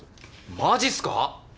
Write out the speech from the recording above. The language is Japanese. マジっすか？